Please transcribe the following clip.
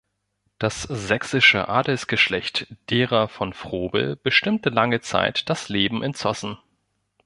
Das sächsische Adelsgeschlecht derer von Frobel bestimmte lange Zeit das Leben in Zossen.